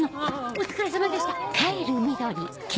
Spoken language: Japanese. お疲れさまでした。